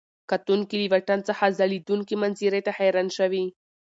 کتونکي له واټن څخه ځلېدونکي منظرې ته حیران شوي.